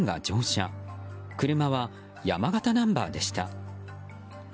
車は山形ナンバーでした。